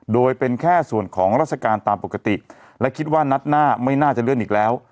โดยเป็นแค่ส่วนของราชการตามปกติและคิดว่านัดหน้าไม่น่าจะเลื่อนอีกแล้ว